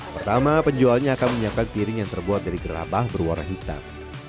pertama penjualnya akan menyiapkan piring yang terbuat dari gerabah berwarna hitam